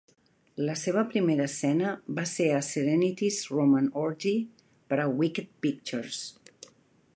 La seva primera escena va ser a "Serenity's Roman Orgy" per a Wicked Pictures.